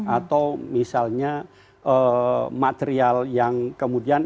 atau misalnya material yang kemudian